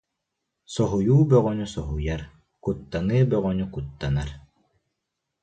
Соһуйуу бөҕөнү соһуйар, куттаныы бөҕөнү куттанар